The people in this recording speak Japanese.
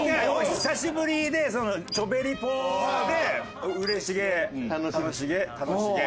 「久しぶり！」で「チョベリぽ」で「うれしげ楽しげ楽しげ」